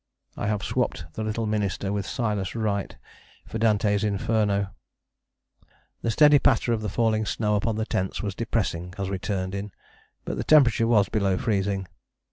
I have swopped the Little Minister with Silas Wright for Dante's Inferno!" The steady patter of the falling snow upon the tents was depressing as we turned in, but the temperature was below freezing.